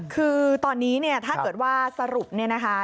คือตอนนี้เนี่ยถ้าเกิดว่าสรุปเนี่ยนะคะ